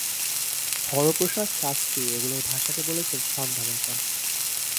হরপ্রসাদ শাস্ত্রী এগুলির ভাষাকে বলেছেন ‘সন্ধ্যা ভাষা’।